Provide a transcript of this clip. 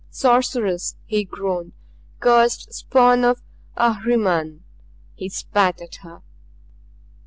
"Sorceress!" he groaned. "Cursed spawn of Ahriman!" He spat at her.